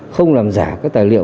không làm giả các tài liệu